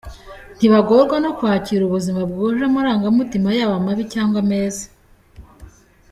ntibagorwa no kwakira ubuzima bwuje amarangamutima yaba mabi cyangwa meza.